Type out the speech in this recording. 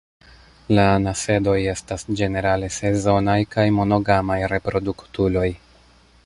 La anasedoj estas ĝenerale sezonaj kaj monogamaj reproduktuloj.